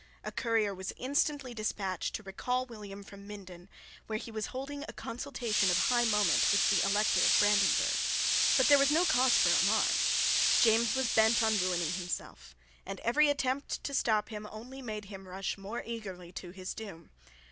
A courier was instantly despatched to recall William from Minden, where he was holding a consultation of high moment with the Elector of Brandenburg. But there was no cause for alarm. James was bent on ruining himself; and every attempt to stop him only made him rush more eagerly to his doom.